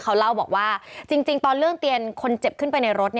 เขาเล่าบอกว่าจริงตอนเรื่องเตียนคนเจ็บขึ้นไปในรถ